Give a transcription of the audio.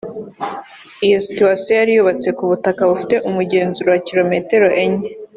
Iyo sitasiyo yari yubatse ku butaka bufite umuzenguruko wa Kilometero enye